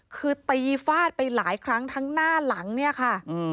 คือตีฟาดไปหลายครั้งทั้งหน้าหลังเนี่ยค่ะ